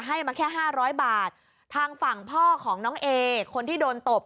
ให้มาแค่ห้าร้อยบาททางฝั่งพ่อของน้องเอคนที่โดนตบ